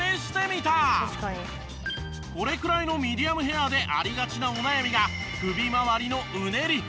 これくらいのミディアムヘアでありがちなお悩みが首まわりのうねり。